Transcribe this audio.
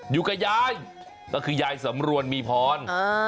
อยู่กับยายก็คือยายสำรวนมีพร